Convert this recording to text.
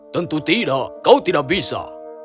tentu tidak kau tidak bisa